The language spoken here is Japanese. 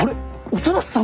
音無さんも？